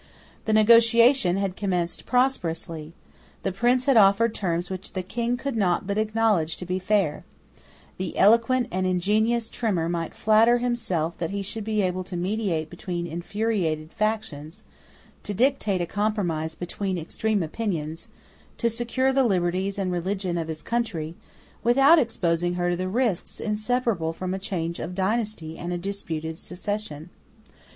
The negotiation had commenced prosperously: the Prince had offered terms which the King could not but acknowledge to be fair: the eloquent and ingenious Trimmer might flatter himself that he should be able to mediate between infuriated factions, to dictate a compromise between extreme opinions, to secure the liberties and religion of his country, without exposing her to the risks inseparable from a change of dynasty and a disputed succession.